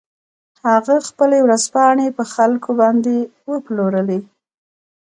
هغه خپلې ورځپاڼې په خلکو باندې وپلورلې.